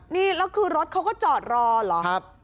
นี่แล้วคือรถเขาก็จอดรอเหรอ